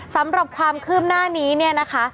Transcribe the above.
สำหรับความคืบหน้านี้เนี่ยนะคะ